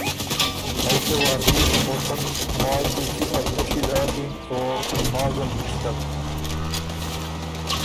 ائ سۀ وار بيې ته خُوتن لماز کی اؤدݭی داکِن او لمازن یِشتک۔